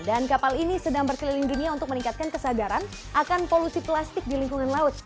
dan kapal ini sedang berkeliling dunia untuk meningkatkan kesadaran akan polusi plastik di lingkungan laut